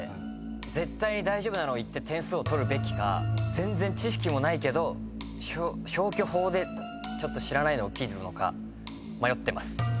絶対に大丈夫なのをいって点数を取るべきか全然知識もないけど消去法で知らないのを切るのか迷ってます。